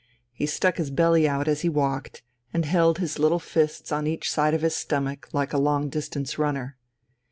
He stuck his belly out as he walked and held his little fists on each side of his stomach like a long distance runner.